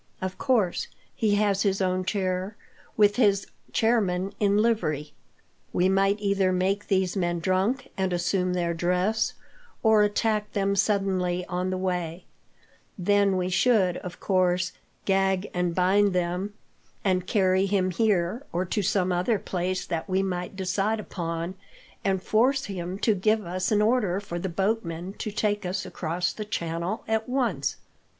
Of course, he has his own chair, with his chair men in livery. We might either make these men drunk and assume their dress, or attack them suddenly on the way; then we should, of course, gag and bind them, and carry him here, or to some other place that we might decide upon, and force him to give us an order for the boatmen to take us across the channel, at once.